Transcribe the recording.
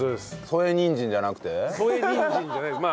添えにんじんじゃないです。